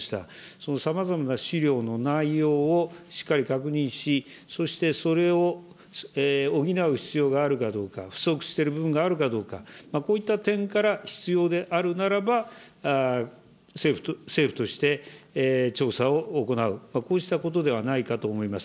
そのさまざまな資料の内容をしっかり確認し、そしてそれを補う必要があるかどうか、不足している部分があるかどうか、こういった点から、必要であるならば、政府として調査を行う、こうしたことではないかと思います。